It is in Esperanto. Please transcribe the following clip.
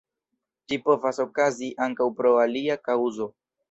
Ĝi povas okazi ankaŭ pro alia kaŭzo.